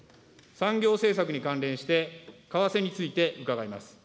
産業政策に関連して、為替について伺います。